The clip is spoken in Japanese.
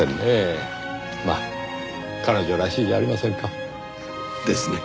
まあ彼女らしいじゃありませんか。ですね。